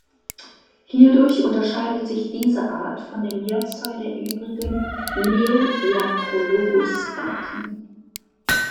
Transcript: Hierdurch unterscheidet sich diese Art von der Mehrzahl der übrigen Neolamprologus-Arten.